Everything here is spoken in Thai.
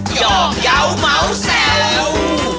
หยอกเยา๊วเมาแซว